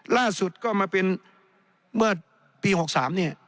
ล่าสุดก็มาเป็นเมื่อปี๖๓เนี่ย